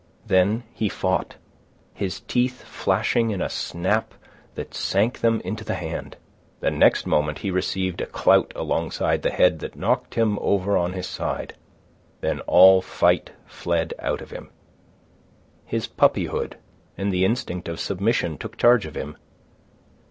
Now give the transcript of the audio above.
Then he fought, his teeth flashing in a snap that sank them into the hand. The next moment he received a clout alongside the head that knocked him over on his side. Then all fight fled out of him. His puppyhood and the instinct of submission took charge of him.